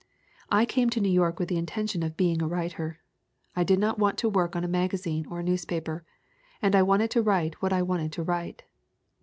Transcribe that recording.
"I came to New York with the intention of being a writer. I did not want to work on a magazine or a newspaper. And I wanted to write what I wanted to write.